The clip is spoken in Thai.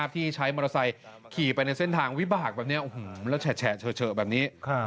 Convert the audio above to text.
ที่ใช้มอเตอร์ไซค์ขี่ไปในเส้นทางวิบากแบบนี้แล้วแฉะเฉอแบบนี้